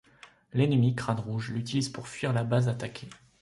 L'ennemi, Crâne Rouge, l'utilise pour fuir la base attaquée.